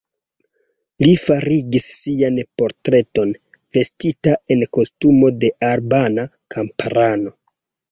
Li farigis sian portreton, vestita en kostumo de albana kamparano.